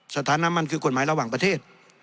สถานะมันคือกฎหมายระหว่างประเทศ